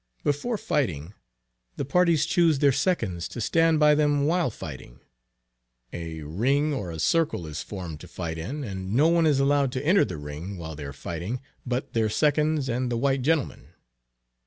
Before fighting, the parties choose their seconds to stand by them while fighting; a ring or a circle is formed to fight in, and no one is allowed to enter the ring while they are fighting, but their seconds, and the white gentlemen.